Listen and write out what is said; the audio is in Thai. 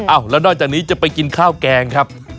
แล้วนอกจากนี้จะไปกินข้าวแกงครับ